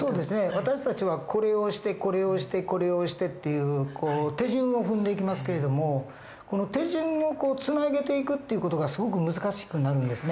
私たちはこれをしてこれをしてこれをしてっていう手順を踏んでいきますけれどもこの手順をつなげていくっていう事がすごく難しくなるんですね。